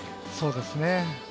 そうですね。